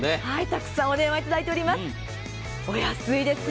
たくさんお電話いただいております。